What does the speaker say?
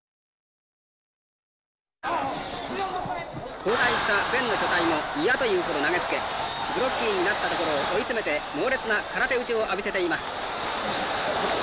交代したベンの巨体も嫌というほど投げつけグロッギーになったところを追い詰めて猛烈な空手打ちを浴びせています。